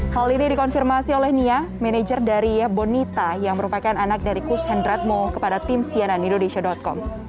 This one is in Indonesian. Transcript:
hal ini dikonfirmasi oleh nia manajer dari bonita yang merupakan anak dari kus hendratmo kepada tim cnn indonesia com